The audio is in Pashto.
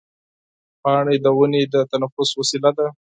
پاڼې د ونې د تنفس وسیله ده.